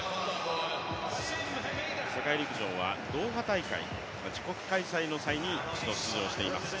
世界陸上はドーハ大会、自国開催の際に一度出場しています。